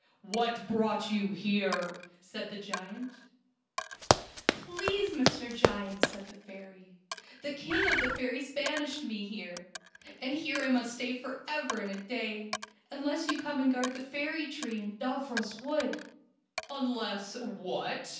" What brought you here? " said the giant. " Please, Mr. Giant/' said the fairy, " the king of the fairies banished me here, and here I must stay for ever and a day, unless you come and guard the fairy tree in Dooros Wood." " Unless what?